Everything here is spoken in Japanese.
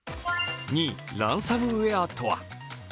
２位、ランサムウエアとは。